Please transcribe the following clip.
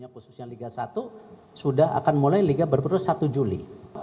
khususnya liga satu sudah akan mulai liga berputus satu juli